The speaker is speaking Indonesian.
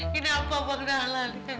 kenapa bangdah lah nih